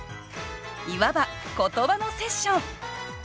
いわば言葉のセッション。